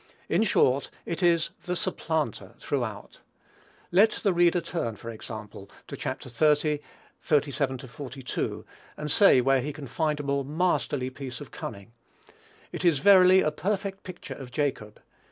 In short, it is "the supplanter" throughout. Let the reader turn, for example, to Chap. xxx. 37 42, and say where he can find a more masterly piece of cunning. It is verily a perfect picture of Jacob.